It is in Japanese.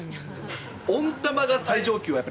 温玉が最上級？